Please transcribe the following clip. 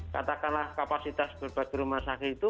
katakanlah kapasitas berbagai rumah sakit itu